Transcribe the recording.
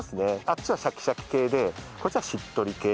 あっちはシャキシャキ系でこっちはしっとり系。